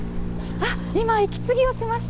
今、息継ぎをしました。